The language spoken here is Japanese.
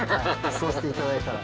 そうしていただいたら。